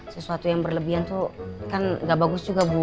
sesuatu yang berlebihan tuh kan gak bagus juga bu